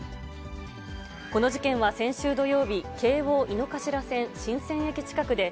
この事件は先週土曜日、京王井の頭線神泉駅近くで、